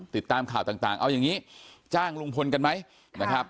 ติดตามข่าวต่างเอาอย่างนี้จ้างลุงพลกันไหมนะครับ